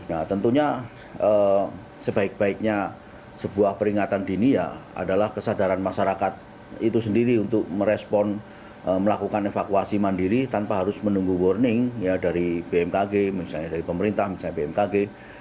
nah tentunya sebaik baiknya sebuah peringatan dini ya adalah kesadaran masyarakat itu sendiri untuk merespon melakukan evakuasi mandiri tanpa harus menunggu warning dari bmkg misalnya dari pemerintah misalnya bmkg